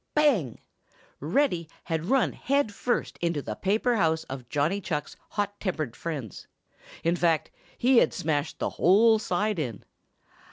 Bang! Reddy had run head first into the paper house of Johnny Chuck's hot tempered friends. In fact he had smashed the whole side in.